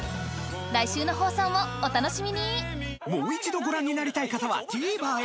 来週の放送もお楽しみにもう一度ご覧になりたい方はＴＶｅｒへ。